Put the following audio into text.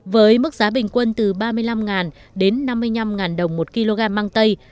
với mức giá bình quân từ ba mươi năm đến năm mươi năm đồng một kg mang tây